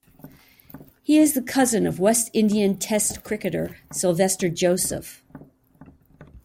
He is the cousin of West Indian Test cricketer Sylvester Joseph.